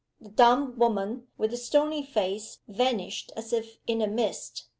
The dumb woman with the stony face vanished as if in a mist.